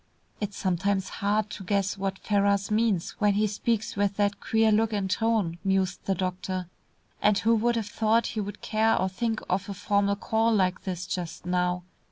"It's sometimes hard to guess what Ferrars means when he speaks with that queer look and tone," mused the doctor. "And who would have thought he would care or think of a formal call like this just now!